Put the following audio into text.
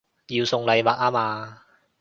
要送禮物吖嘛